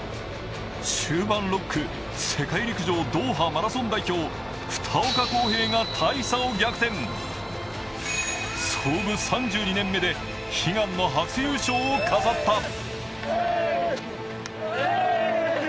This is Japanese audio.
終盤６区、世界陸上ドーハマラソン代表、二岡康平が大差を逆転、創部３２年目で悲願の初優勝を飾った。